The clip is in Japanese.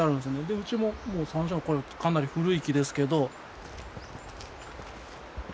うちももうサンショウこれかなり古い木ですけど。